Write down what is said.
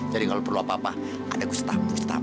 jadi kalau perlu apa apa ada gustaf gustaf